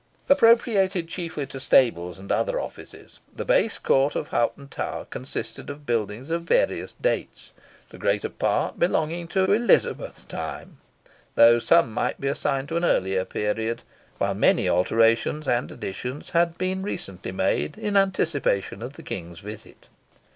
Appropriated chiefly to stables and other offices, the base court of Hoghton Tower consisted of buildings of various dates, the greater part belonging to Elizabeth's time, though some might be assigned to an earlier period, while many alterations and additions had been recently made, in anticipation of the king's visit.